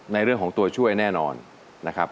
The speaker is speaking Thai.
ในเรื่องของตัวช่วยแน่นอนนะครับ